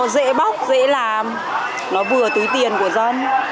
dễ làm nó vừa tùy tiền của dân